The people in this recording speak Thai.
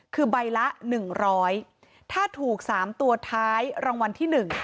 คือใบละ๑๐๐ถ้าถูก๓ตัวท้ายรางวัลที่๑